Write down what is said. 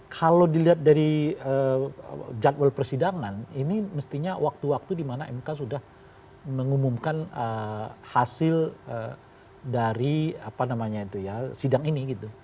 kalau dilihat dari jadwal persidangan ini mestinya waktu waktu di mana mk sudah mengumumkan hasil dari sidang ini gitu